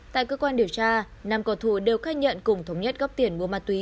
tại cơ quan điều tra năm cổ thủ đều khai nhận cùng thống nhất góp tiền mua ma túy